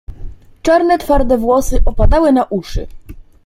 "Czarne twarde włosy opadały na uszy."